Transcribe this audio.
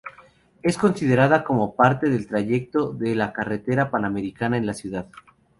Es considerada como parte del trayecto de la Carretera Panamericana en la ciudad.